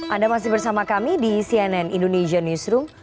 anda masih bersama kami di cnn indonesia newsroom